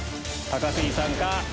高杉さんか？